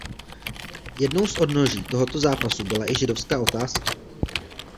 Jednou z odnoží tohoto zápasu byla i židovská otázka.